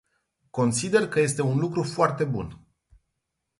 Consider că este un lucru foarte bun.